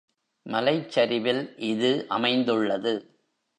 மலைச்சரிவில் இது அமைந்துள்ளது.